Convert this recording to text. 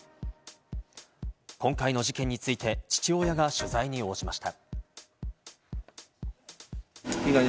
今回の事件について、父親が取材に応じました。